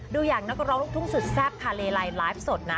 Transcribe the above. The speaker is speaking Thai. ดูอย่างนักร้องลูกทุ่งสุดแซ่บคาเลไลไลฟ์สดนะ